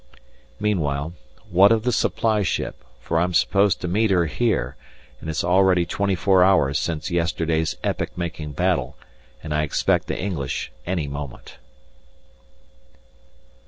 Meanwhile, what of the supply ship, for I'm supposed to meet her here, and it's already twenty four hours since yesterday's epoch making battle and I expect the English any moment.